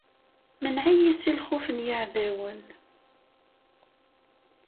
Mneɛ-iyi si lxuf n yiɛdawen!